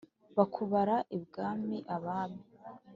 bakubara i bwami abami